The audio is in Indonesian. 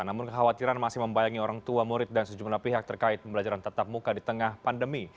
namun kekhawatiran masih membayangi orang tua murid dan sejumlah pihak terkait pembelajaran tetap muka di tengah pandemi